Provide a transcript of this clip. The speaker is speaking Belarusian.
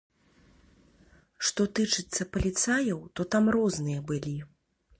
Што тычыцца паліцаяў, то там розныя былі.